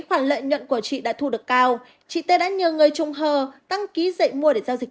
khoản lợi nhuận của chị đã thu được cao chị tê đã nhờ người trùng hờ tăng ký dậy mua để giao dịch